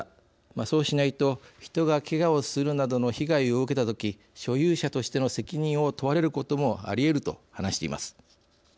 そうしないと人がけがをするなどの被害を受けた時所有者としての責任を問われることもありえると話しています。